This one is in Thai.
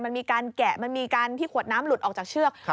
มันมีการแกะมันมีการที่ขวดน้ำหลุดออกจากเชือก